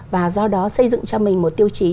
và do đó xây dựng cho mình một tiêu chí